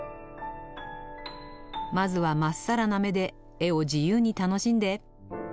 「まずはまっさらな目で絵を自由に楽しんで！」。